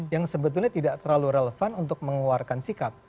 yang sebetulnya tidak terlalu relevan untuk mengeluarkan sikap